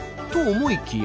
思いきや？